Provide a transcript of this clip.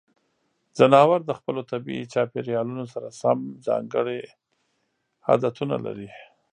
ځناور د خپلو طبیعي چاپیریالونو سره سم ځانګړې عادتونه لري.